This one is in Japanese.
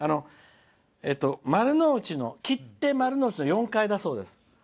丸の内のＫＩＴＴＥの４階だそうです。